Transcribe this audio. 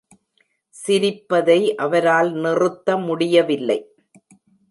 சிரிப்பதை அவரால் நிறுத்த முடியவில்லை .